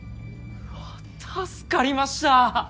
助かりました！